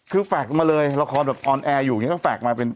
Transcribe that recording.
คือแฟคมาเลยละครแบบออนแอร์อยู่อย่างนี้ก็ฝากมาเป็น